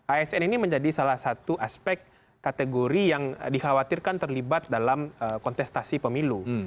asn ini menjadi salah satu aspek kategori yang dikhawatirkan terlibat dalam kontestasi pemilu